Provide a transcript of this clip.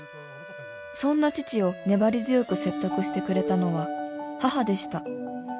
「そんな父を粘り強く説得してくれたのは母でした」